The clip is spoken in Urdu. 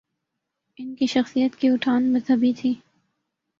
ان کی شخصیت کی اٹھان مذہبی تھی۔